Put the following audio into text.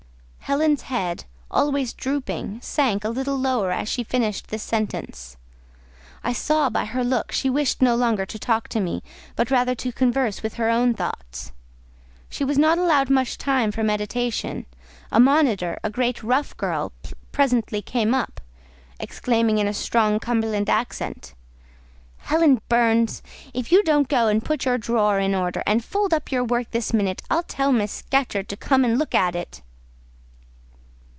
Helen's head, always drooping, sank a little lower as she finished this sentence. I saw by her look she wished no longer to talk to me, but rather to converse with her own thoughts. She was not allowed much time for meditation: a monitor, a great rough girl, presently came up, exclaiming in a strong Cumberland accent— "Helen Burns, if you don't go and put your drawer in order, and fold up your work this minute, I'll tell Miss Scatcherd to come and look at it!"